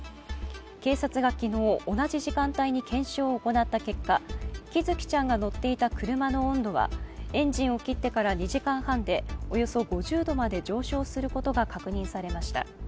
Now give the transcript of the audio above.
警察が昨日、同じ時間帯に検証を行った結果喜寿生ちゃんが乗っていた車の温度はエンジンを切ってから２時間半でおよそ５０度まで上昇することが確認されました